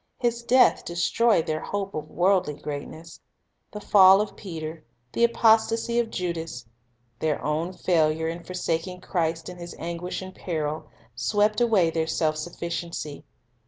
His death destroyed their hope of worldly greatness. The fall of Peter, the apostasy of Judas, their own failure in forsaking Christ in His anguish and peril, swept away their self sufficiency.